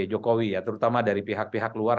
jokowi ya terutama dari pihak pihak luar